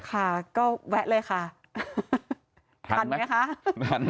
ค่ะก็แวะเลยค่ะทันไหมคะทัน